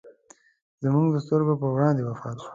زموږ د سترګو پر وړاندې وفات شو.